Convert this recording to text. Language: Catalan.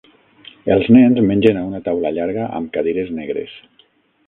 Els nens mengen a una taula llarga amb cadires negres.